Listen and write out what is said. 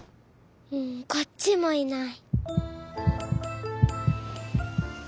こっちもいない」。